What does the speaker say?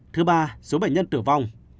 thứ ba số bệnh nhân tử vong